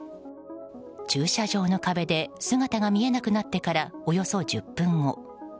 駐車場の壁で姿が見えなくなってからおよそ１０分後。